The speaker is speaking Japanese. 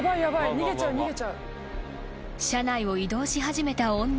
［車内を移動し始めた女］